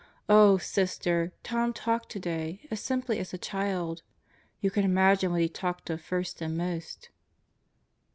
Oh, Sister, Tom talked today, as simply as a child. ... You can imagine what he talked of first and most."